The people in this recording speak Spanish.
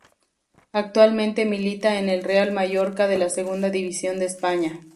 Actualmente milita en el Real Mallorca de la Segunda División de España.